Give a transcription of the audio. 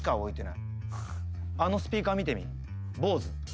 「あのスピーカー見てみ？」